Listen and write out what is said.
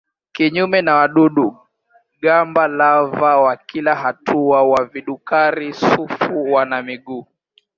Kinyume na wadudu-gamba lava wa kila hatua wa vidukari-sufu wana miguu.